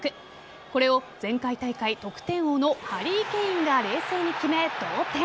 これを前回大会得点王のハリー・ケインが冷静に決め同点。